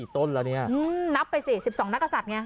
ต้นละเนี่ยนับไปสิ๑๒นักศั฽ธุ์ไง